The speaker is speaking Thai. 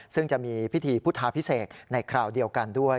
ซึ่งจะมีพิธีพุทธาพิเศษในคราวเดียวกันด้วย